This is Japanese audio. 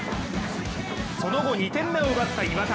その後、２点目を奪った磐田。